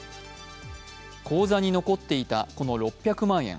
口座に残っていたこの６００万円。